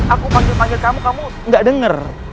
aku panggil panggil kamu kamu gak denger